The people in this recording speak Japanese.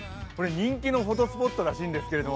人気のフォトスポットらしいんですけど